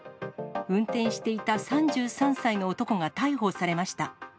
運転していた３３歳の男が逮捕されました。